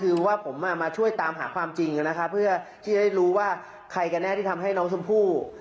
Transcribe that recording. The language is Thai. คือว่าผมมาช่วยตามหาความจริงนะครับเพื่อที่จะได้รู้ว่าใครกันแน่ที่ทำให้น้องชมพู่